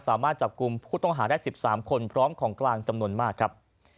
สามารถจับกลุ่มผู้ต้องหาได้๑๓คนพร้อมของกลางจำนวนมากครับ